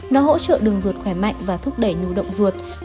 nó hỗ trợ đường ruột khỏe mạnh và thúc đẩy nhù động ruột